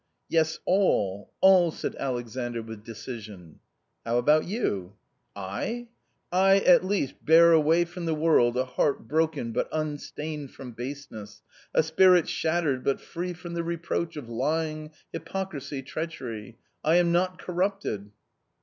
" Yes, all, all !" said Alexandr with decision. " How about you ?"" I ? I at least bear away from the world a heart broken but unstained from baseness, a spirit shattered but free from the reproach of lying, hyprocrisy, treachery; I am not corrupted."